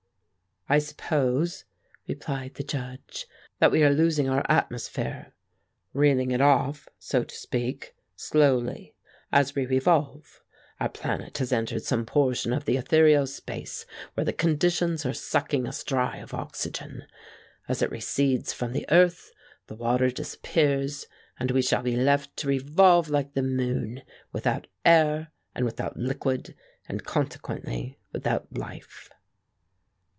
"I suppose," replied the Judge, "that we are losing our atmosphere. Reeling it off, so to speak, slowly, as we revolve. Our planet has entered some portion of the ethereal space where the conditions are sucking us dry of oxygen. As it recedes from the earth the water disappears, and we shall be left to revolve like the moon, without air and without liquid, and consequently without life."